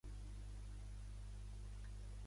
Temperatura moral que reconforta tots els qui la senten.